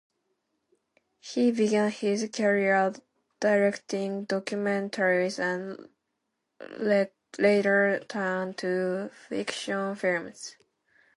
He began his career directing documentaries and later turned to fiction films.